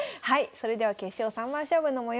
それでは決勝三番勝負の模様